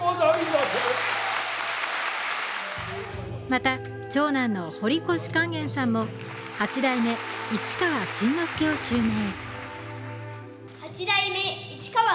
また、長男の堀越勸玄さんも八代目市川新之助を襲名。